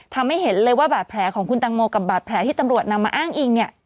ทำให้เห็นเลยว่าบาดแผลของคุณตังโมกับบาดแผลที่ตำรวจนำมาอ้างอิงเนี่ย